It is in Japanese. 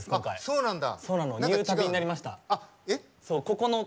そうなんだ。